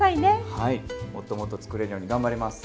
はいもっともっと作れるように頑張ります。